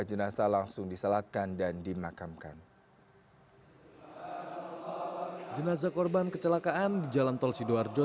jenazah langsung disalatkan dan dimakamkan jenazah korban kecelakaan di jalan tol sidoarjo